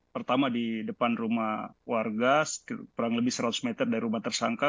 pertama di depan rumah warga kurang lebih seratus meter dari rumah tersangka